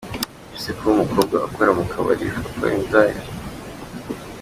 Ese kuba umukobwa akora mu kabari bivuga ko ari indaya?